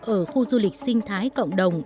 ở khu du lịch sinh thái cộng đồng